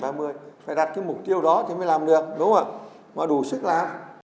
phải đặt mục tiêu đó mới làm được đúng ạ mà đủ sức làm